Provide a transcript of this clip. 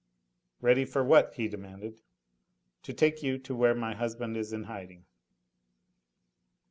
"Ready for what?" he demanded. "To take you to where my husband is in hiding."